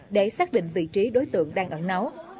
để xác định vị trí đối tượng đang ẩn nấu